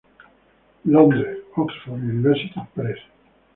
Londres: Oxford University Press.